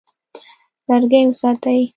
لرګي وساتئ.